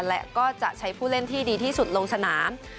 และก็จะใช้ผู้เล่นที่ดีที่สุดลงสนาม